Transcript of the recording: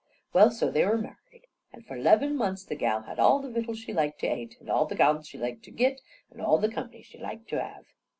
Well, so they were married. An' for 'leven months the gal had all the vittles she liked to ate, and all the gownds she liked to git, and all the cumpny she liked to have.